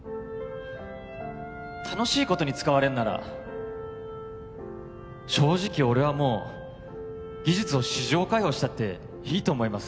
楽しいことに使われるなら正直俺はもう技術を市場開放したっていいと思います